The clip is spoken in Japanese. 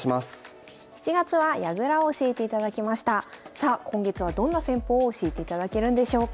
さあ今月はどんな戦法を教えていただけるんでしょうか？